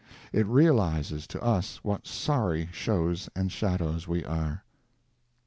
It realizes to us what sorry shows and shadows we are.